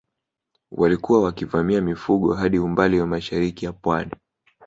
Walikuwa wakivamia mifugo hadi umbali wa mashariki ya Pwani